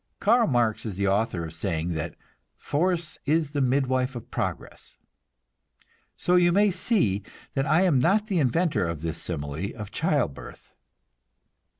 Karl Marx is author of the saying that "force is the midwife of progress," so you may see that I am not the inventor of this simile of child birth.